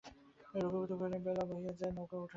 রঘুপতি কহিলেন, বেলা বহিয়া যায়, নৌকায় উঠা হউক।